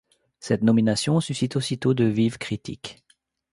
Cette nomination suscite aussitôt de vives critiques.